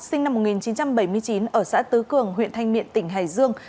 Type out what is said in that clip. sinh năm một nghìn chín trăm bảy mươi chín ở xã tứ cường huyện thanh miện tỉnh hải dương